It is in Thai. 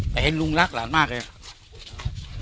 แต่เห็นลุงรักหลานมากเลย